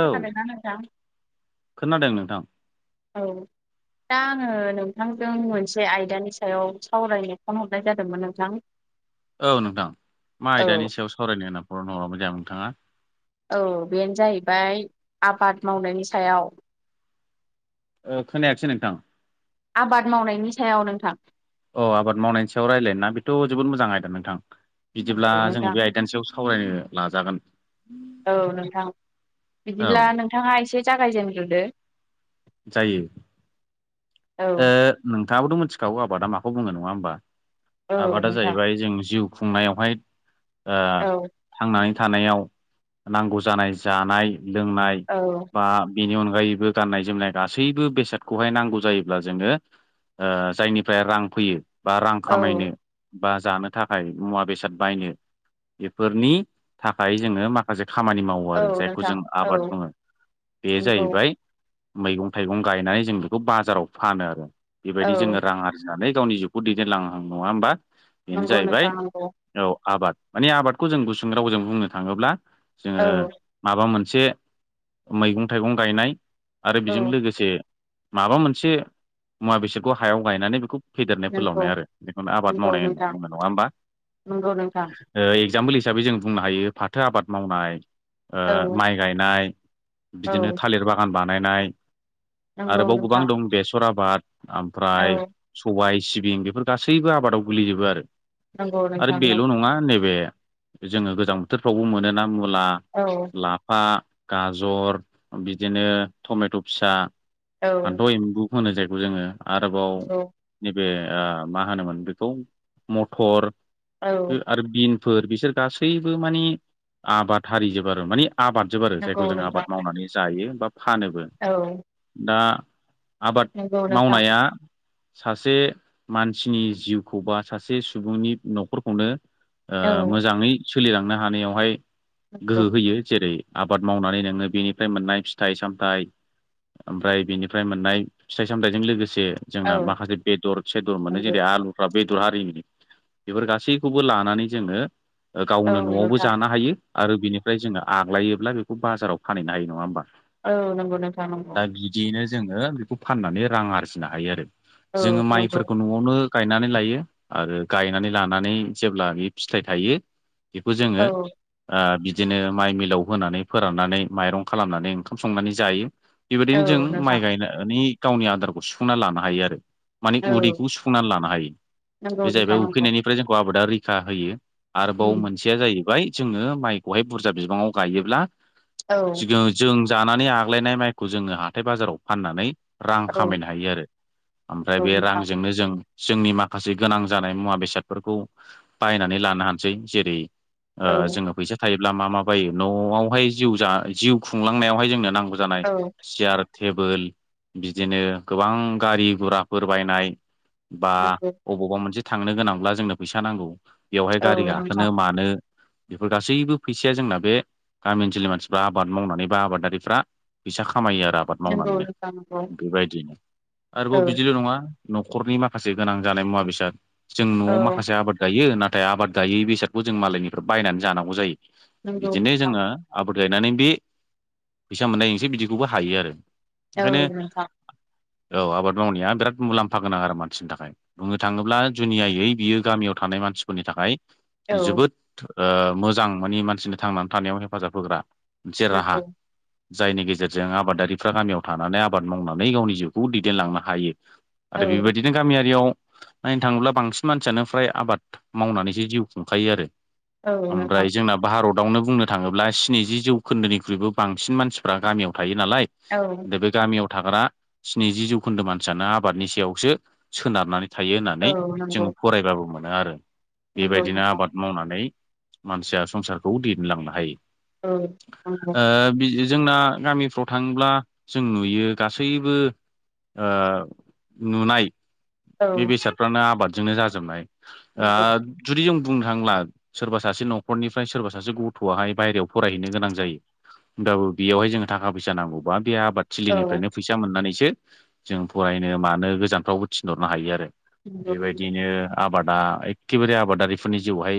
औ खोनादोंना नोंथां खोनादों नोंथां औ दा आङो नोंथांजों मोनसे आयदानि सायाव सावरायनो फन हरनाय जादोंमोन नोंथां। औ नोंथां मा औ आयदानि सायाव सावरायनो होनना फनो हरदोंमोन नोंथाङा? औ बेनो जाहैबाय आबाद मावनायनि सायाव खोनायाखासै नोंथां आबाद मावनायनि सायाव नोंथां अ आबाद मावनायनि सायाव रायलायनो बेथ' जोबोद मोजां आयदा नोंथां बिदिब्ला औ जोङो नोंथां बे आयदानि सयाव सावरायनो नाजागोन। औ नोंथां औ बिदिब्ला नोंथाङा एसे जागायजेनग्रोदो। जायो औ ओ नों थाङाबोथ' मिथिखागौ आबादा माखौ बुङो नङा होमबा औ आबादा नोंथां जाहैबाय जोंनि जिउ खुंनायावहाय ओ औ थांनानै थानायाव नांगौ जानाय जानाय लोंनाय औ बा बेनि अनगायैबो गान्नाय जोमनाय गासैबो बेसादखौहाय नांगौ जायोब्ला जोङो जायनिफ्राय रां फैयो बा रां औ खामायनो बा जानो थाखाय मुवा बेसाद बायनो बेफोरनि थाखाय जोङो माखासे खामानि मावो आरो औ जायखौ नोंथां जों औ आबाद बुङो बे नंगौ जाहैबाय मैगं थाइगं गायनानै जों बेखौ बाजाराव फानो आरो औ बेबायदि जोङो रां आरजिनानै गावनि जिउखौ दैदेनलांहां नङा होमबा बेनो नंगौ जाहैबाय नोंथां नंगौ औ आबाद माने आबादखौ जों गुसुं रावजों बुंनो थाङोब्ला औ जोङो माबा मोनसे मोनसे मैगं थाइगं गायनाय आरो बेजों औ लोगोसे माबा मोनसे मुवा बेसादखौ हायाव गायनानै बेखौ फेदेरनाय नंगौ फोलावनाय आरो बेखौनो आबाद नंगौ मावनाय होनना नोंथां बुनाय नङा होमबा नंगौ नोंथां एगजामपोल एसे हिसाबै जों बुंनो हायो फाथो आबाद मावनाय ओ औ माइ गायनाय औ बिदिनो थालिर बागान बानायनाय नंगौ आरोबाव गोबां नोंथां दं बेसर आबाद औ ओमफ्राय सबाय सिबिं बेफोर गासैबो आबादाव गोलैजोबो आरो नंगौ आरो नोंथां नंगौ बेल' नङा नैबे जोङो गोजां बोथोरफ्रावबो मोनोना मुला औ लाफा गाजर बिदिनो टमेट' फिसा औ फान्थाव एम्बु होनो जायगखौ जोङो आरोबाव नंगौ बे मा होनोमोन बेखौ मटर औ आरो बिन फोर बिसोर गासैबो माने आबाद हारिजोबो आरो माने आबाद जोब आरो नंगौ जायखौ जों आबाद नोंथां मावनानै जायो बा फानोबो औ दा आबाद नंगौ नोंथां मावनाया सासे मानसिनि जिउखौ बा सासे सुबुंनि न'खरखौनो औ मोजाङै सोलिलांनो हानायावहाय नंगौ गोहो होयो जेरै आबाद मावनानै नोङो बेनिफ्राय मोननाय फिथाइ सामथायाइ ओमफ्राय बिनिफ्राय मोननाय फिथाइ सामथाइजों लोगोसे खासे औ जोंना माखासे बेदर सेदर मोनो नंगौ जेरै आलुफ्र्रा बेदर हारिमनि बेफोर गासैखौबो लानानै जोङो औ गावनो न'आवबो नोंथां जानो हायो आरो बिनिफ्राय जोङो आग्लायोब्ला बेखौ बाजाराव फानहनो हायो नङा होमबा औ नंगौ नोंथां नंगौ दा बिदियैनो जोङो बेखौ फाननानै रां आरजिनो हायो आरो औ जोङो नंगौ माइफोरखौ न'आवनो गायनानै लायो आरो गायनानै लानानै जेब्ला बे फिथाइ थायो बेखौ जोङो औ बिदिनो माइ मिलाव होनानै फोराननानै माइरं खालामनानै ओं खाम संनानै जायो औ बेबायदिनो जों नोंथां माइ गायनानै गावनि आदारखौ सुफुंना लानो हायो आरो माने औ उदैखौ सुफुंनानै लानो हायो नंगौ बे जाहैबाय नोंथां नंगौ उखैनायनिफ्राय जोंखौ आबादा रैखा होयो आरोबाव उम मोनसेया जाहैबाय जोङो माइखौहाय बुरजा बिबाङाव गायोब्ला औ जों जानानै आग्लायनाय माइखौ जोङो हाथाय बाजाराव फाननानै रां औ खामायनो हायो आरो ओमफ्राय नंगौ बे नोंथां रांजोंनो जों जोंनि माखासे गोनां जानाय मुवा बेसादफोरखौ बायनानै लानो हानोसै जेरै औ जोङो फैसा थायोब्ला मा मा बायो न'आवहाय जि जिउ खुंलांनायावहाय जोंनो नांगौ जानाय औ सियार टेबोल बिदिनो गोबां गारि घुराफोर बायनाय बा नंगौ अबावबा मोनसे थांनो गोनांब्ला जोंनो फैसा नांगौ बेवहाय औ गारि गाखोनो नोंथां मानो बेफोर गासैबो फैसाया जोंना बे गामि ओनसोलनि मानसिफ्रा आबाद मावनानै बा आबादारिफ्रा फैसा खामायो आरो आबाद नंगौ मावनानैनो नोंथां नंगौ बेबायदिनो आरोबाव औ बिदिल' नङा न'खरनि माखासे गोनां जानाय मुवा बेसाद जों न'आव औ माखासे आबाद गायो ना नाथाय आबाद जायै बेसादखौ जों मालायनिफ्राय बायनानै जानांगौ जायो नंगौ बिदिनो नोंथां जोङोाद फोर गायनानै बे फैसा मोननायसै बिदिखौबो हायो आरो। औ ओंखायनो नोंथां। औ आबाद मावनाया बिराद मुलाम्फा गोनां आरो मानसिनि थाखाय बुंनो थाङोब्ला जुनियायै बियो गामियाव थानो थानाय मानसिफोरनि थाखाय औ जोबोद ओ मोजां माने मानसिनि थांनानै थानायाव हेफाजाब होग्रा मोनसेे राहा। नंगौ जायनि गेजेरजों आबादारिफ्रा गामियाव थानानै आबाद मावनानै गावनि जिउखौ दैदेनलांनो हायो। औ आरो बेबायदिनो गामियारियाव नायनो थाङोब्ला बांसिन मानसियानो फ्राय आबाद मावनानैसो जिउ खुंखायो आरो। औ नोंथां ओमफ्राय जोंना भारतआवनो बुंनो थाङोब्ला स्निजि जौखोन्दोनिख्रुइबो बांसिन मानसिफ्रा गामियाव थायो नालाय औ दा बे गामियाव थाग्रा स्निजि जौखोन्दो मानसियानो आबादनि सायावसो सोनारनानै थायो औ होननानै जोङो नंगौ फरायबाबो मोनो आरो नंगौ नोंथां बेबायदिनो आबाद मावनानै मानसिया संसारखौ दैेनलांनो हायो। औ ओ औ। जोंना गामिफ्राव थांयोब्ला जों नुयो गासैबो ओ नुनाय औ बे बेसादफ्रानो आबादजोंनो जाजोबनाय ओ नंगौ जुदि जों बुंनो थांला सोरबा सासे न'खरनिफ्राय सोरबा सासे गथ'आहाय बायेरायाव फरायहैनो गोनां जायो होमब्लााबो बेयावहाय जोङो थाखा फैसा नांगौबा बे आबाद औ थिलिनिफ्रायनो फैसा मोननानैसो जों फरायनो मानो गोजानफ्रावबो थिनहरनो हायो आरो। नंगौ नंगौ बेबायदिनो आबादा एखेबारे आबादारिफोरनि जिउआवहाय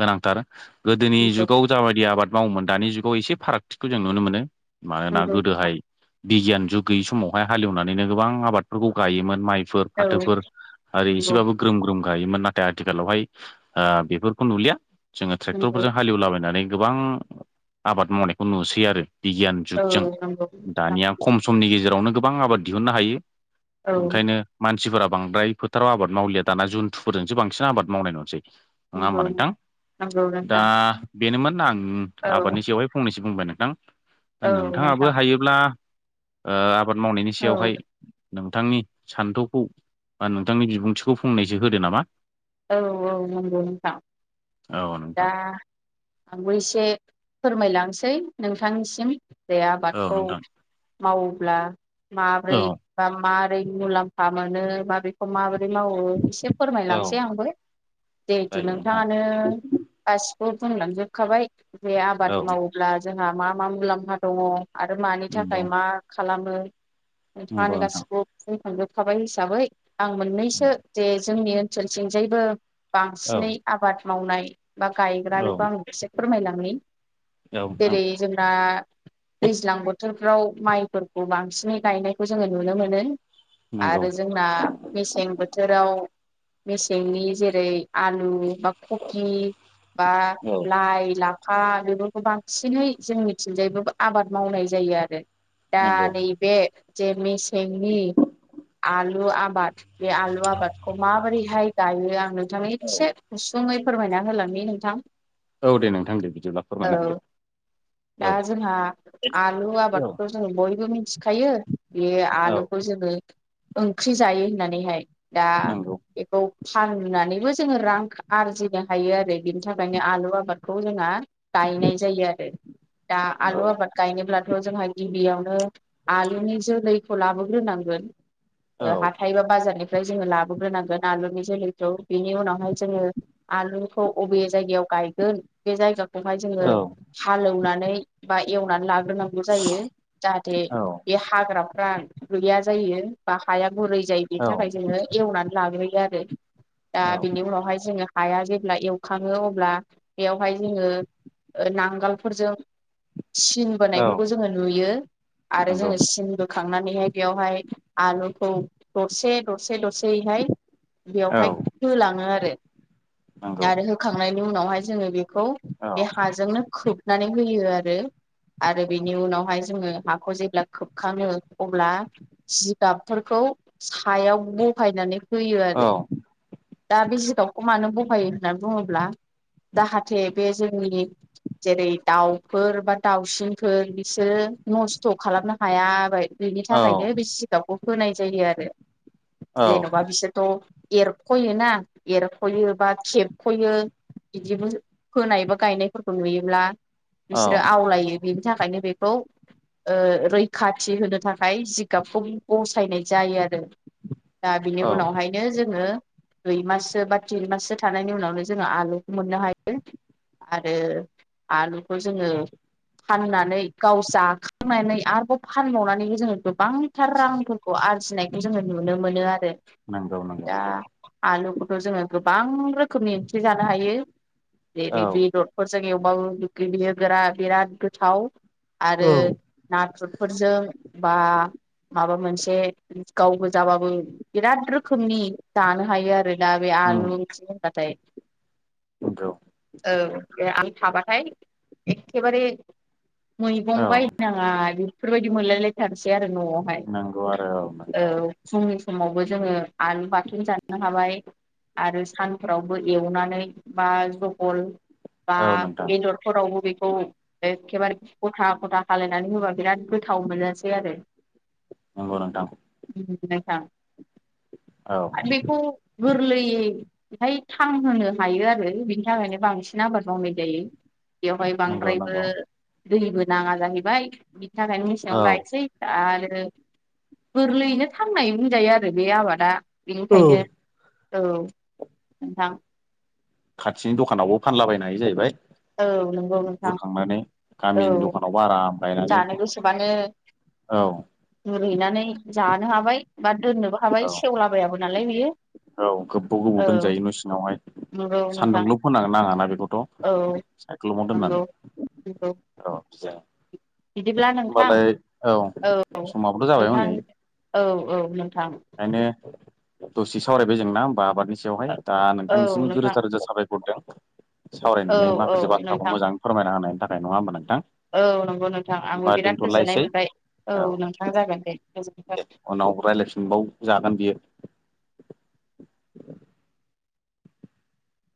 गोनांथार गोदोनि नंगौ जुगाव जाबायदि आबाद मावोमोन दानि जुगाव एसे फारागथिखौ जों नुनो मोनो औ मानोना नंगौ गोदोहाय बिगियान जुग गैयि समावहाय हालेवनानैनो गोबां आबादफोरखौ गायोमोन माइफोर फाथोफोर आरो एसेबाबो ग्रोम ग्रोम गायोमोन नाथाय आथिखालावहाय ओ बेफोरखौ नुलिया जोङो नंगौ ट्रेक्टरफोरजों हालेवलाबायनानै गोबां आबाद मावनायखौ नुसै आरो बिगियान औ जुगजों नंगौ नोंथां दानिया खम समनि गेजेरावनो गोबां आबाद दिहुननो हायो। औ। ओंखायनो मानसिफोरा बांद्राय फोथाराव आबाद मावलिया दाना जुनथुफोरजोंसो बांसिन आबाद मावनाय नुसै। नङा होमबा नंगौ नोंथां नंगौ दा नोंथां बेनोमोन आं औ आबादनि सायावहाय फंनैसो बुंबाय नोंथां दा औ नोंथाङाबो नोंथां हायोब्ला ओ आबाद मावनायनि औ सायावहाय नोंथांनि सान्थौ खौ बा नोंथांनि बिबुंथिखौ फंनायसो होदो नामा? औ औ नंगौ नोंथां। औ दा नोंथां आंबो एसे फोरमायलांनोसै नोंथांनिसिम जे औ आबादखौ नोंथां मावोब्ला औ माबोरै बा मारै मुलाम्फा मोनो बा बेखौ माबोरै मावो एसे औ फोरमायलांसै आंबो जिहेथु जायो नोंथां नोंथाङानो गासि बो बुंलांजोबखाबाय जे आबाद औ मावोब्ला जोंहा मा मा मुलाम्फा दङ। आरो मानि थाखाय नंगौ मा खालामो नंगौ नोंथाङानो नोंथां गासिखौबो बुं जोबखाबाय हिसाबै आं मोननैसो औ जे जोंनि ओनसोलथिं जायबो औ बांसिनै आबाद मावनाय बा गायग्रा औ बेखौ आं एसे फोरमायलांनि नोंथां जेरै जोंना दैज्लां बोथोर फाव माइफोरखौ बांसिनै गायनायखौ जोङो नुनो मोनो। नंगौ आरो जोंना मेसें बोथोराव मेसेंनि जेरै आलु बा कफि बा औ लाइ ला फा बेफोरखौ बांसिनै जोंनिथिंजायबो आबाद मावनाय जायो आरो। दा नंगौ नैबे जे मेसेंनि आलु लु आबाद बे आलु आबादखौ माबोरैहाय गायो आं नोंथांनि औ एसे गुसुङै फोरमायना होलांनि नोंथां। औ दे नोंथां दे बिदिब्ला औ फोरमायना होदो। दा औ जोंहा आलु औ आबादखौ जों बयबो मिथ खायो बे औ आलुखौ जोङो ओंख्रि जायो होननानैहाय दा नंगौ बेखौ फाननानैबो जोङो रां आरजिनो हायो आरो बिनि थाखायनो आलु आबादखौ जोंहा, गा गायनाय जायो आरो दा नंगौ आलु आबाद गायनोब्लाथ' जोंहा गिबियाव नो आलुनि जोलैखौ लाबोग्रोनांगोन औ हाथाइबा बाजारनि फ्राय जोङो लाबोग्रोनां आलुनि जोलैखौ बिनि उनावहाय जोङो आलुखौ अबे जायगायाव गायगोन बे जायगायाव हाय औ जोङो हालेवनानै बा एवनानै ला ग्रो नांगौ जायो जाहाथे औ बे हाग्राफ्रा गैया जायो। बा हाया गुरै जायो औ बेनि थाखाय जोङो एवनानै लाग्रोयो आरो दा औ बेनि उनावहाय जोङो। हाया जेब्ला एवखाङो अब्ला बेयावहाय जोङो। नांगोलफोरजों, सिन औ बोनायफोरखौ जोङो नुयो आरो नंगौ जोङो सिनबो, बोखांनानैहाय बेवहाय आलुखौ दरसे दरसे दरसे औ बेवहाय होलाङो आरो नंगौ आरो होखांनायनि उनावहाय जोङो बे खौ औ बे हाजोंनो खोबनानै होयो आरो। आरो बेनि उनावहाय जोङो हाखौ जेब्ला खोबखाङो अब्ला जिगाबफोरखौ, सायाव बहायनानै होयो औ आरो। दा बे जिगाबखौ मानो बहायो होननानै बुङोब्ला, जाहाथे बे जोंनि जेरै दाउफोर बा दाउसिनफोर बिसोरो, नस्थ' खालामनो हायाबाय बेनि औ थाखायनो बे सिगाबखौ होनाय जायो आरो। औ थ' एरख'यो ना एरख'यो बा खेरख'यो बिदिबो फोनाय बा गायनायफोरखौ नुयोब्ला, औ बिसोरो आवलायो बिनि थाखायनो बेखौ, ओ रैखाथि होनो थाखाय जिगाबखौ बसायनाय जायो आरो दा बिनि औ उनावहायनो जोङो दुइ माससो बा थिन माससो थानायनि उनावनो जोङो आलुखौ मोननो हायो। आरो आलुखौ जोङो फाननानै गाव जाखांनानै आरोबाव फानबावनानैबो जोङो गो गोबांथार रांफोरखौ आरजिनायखौ जोङो नुनो मोनो आरो। नंगौ नंगौ दा आलुखौथ' जोङो गोबां रोखोमनि ओंख्रि जानो हायो औ जेरै बेदरफोरजों एवबाबो [unintelligible] गोरा बिराद गोथाव, आरो औ नाथुरफोरजों, बा माबा मोनसे गाव गोजाबाबो, बिराद रोखोमनि जानो हायो आरो दा बे उम आलु ओंख्रि होनबाथाय। नंगौ औ दे आं थाबाथाय एखेबारे औ मैगं बायनाङा बेफोरबायदि मोनलायलायथारसै आरो न'आवहाय। नंगौ आरो औ नंगौ फुं समावबो जोङो आलु बाथोन जानो हाबाय आरो सानफ्रावबो एवनानै बा जहल बा औ नोंथां बेदरफोरावबो बे खौ एखेबारे गथा गथा खालायनानै होबा बिराद गोथाव मोनजासै आरो। नंगौ नोंथां। नोंथां औ बेखौ गोरलैयैहाय थांहोनो हायो आरो बिनि थाखायनो बांसिन आबाद मावनाय दायो। बेवहाय नंगौ बांद्रायबो नंगौ दैबो नाङा जाहैबाय, बिनि थाखायनो औ मेसेङाव गायनोसै आरो गोरलैयैनो थांनाय बुंजायो आरो आरो बे आबादा औ बेनिखायनो औ नोंथां खाथिनि दखानावबो फानलाबायनो हायो जाहैबाय औ नंगौ नोंथां बुरखांनानै औ गामिनि दखानावबो आराम गायनानै जानो गोसोबानो औ रुइनानै जानो हाबाय बा दोननोबो औ हाबाय सेवलाबायाबो नालाय बेयो औ गोबाव गोबाव दोनजायो न' सिङावहाय नंगौ नोंथां सान्दुंल' फोनांनो नाङा ना बेखौथ' औ नआव नंगौ दोननानै नंगौ र बि बिदिब्ला नोंथां औ समाबोथ' जाबाय नोंथां हनै औ औ नोंथां ओंखायनो दसे सावरायबाय जोंना होमबा आबादनि बयावहाय दा औ नोंथांनिसिम नोंथां रोजा रोजा साबायखरदों औ सावरायनानै औ माखासे बाथ्राखौ नोंथां मोजाङै फोरमायना होनायनि थाखाय नङा होनबा नोंथां औ नंगौ नोंथां आंबो होमबा बिराद गोजोननाय दोनथ'लायसै मोनबाय औ नोंथां जागोन दे गोजोनथों रायलायफिनबाव जागोन बियो